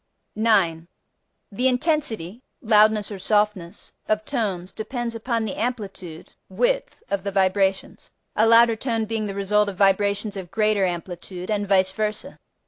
9. The intensity (loudness or softness) of tones depends upon the amplitude (width) of the vibrations, a louder tone being the result of vibrations of greater amplitude, and vice versa.